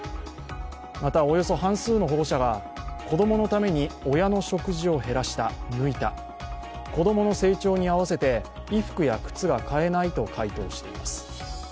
また、およそ半数の保護者が子供のために親の食事を減らした・抜いた子供の成長に合わせて衣服や靴が買えないと回答しています。